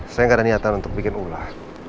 saya nggak ada niatan untuk bikin ulah